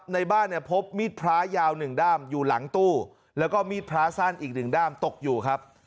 ในบ้านเนี่ยพบมีดพระยาว๑ด้ามอยู่หลังตู้แล้วก็มีดพระสั้นอีกหนึ่งด้ามตกอยู่ครับ